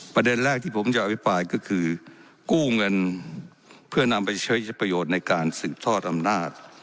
ประเด็นแรกที่ผมจะอภิปรายก็คือกู้เงินเพื่อนำไปใช้ประโยชน์ในการสืบทอดอำนาจ